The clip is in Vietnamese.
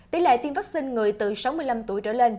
tỷ lệ tiêm vaccine người từ sáu mươi năm tuổi trở lên